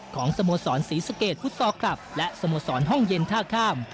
สโมสรศรีสะเกดฟุตซอลคลับและสโมสรห้องเย็นท่าข้าม